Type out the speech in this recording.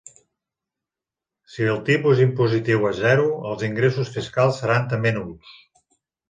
Si el tipus impositiu és zero, els ingressos fiscals seran també nuls.